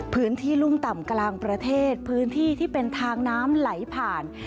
พื้นที่รุ่มต่ำกลางประเทศพื้นที่ที่เป็นทางน้ำไหลผ่าน